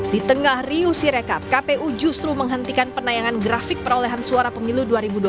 di tengah riu sirekap kpu justru menghentikan penayangan grafik perolehan suara pemilu dua ribu dua puluh